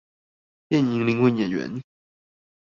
電影靈魂演員